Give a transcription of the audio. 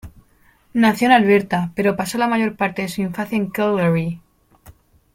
Nació en Alberta, pero pasó la mayor parte de su infancia en Calgary.